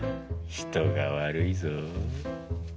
人が悪いぞ。